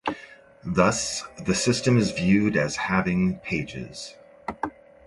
Thus, the system is viewed as having pages.